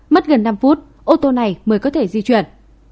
mất gần năm phút ô tô này mới có thể di chuyển